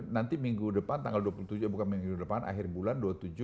nanti minggu depan tanggal dua puluh tujuh bukan minggu depan akhir bulan dua puluh tujuh